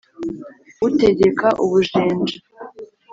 Utegeka u Bujinja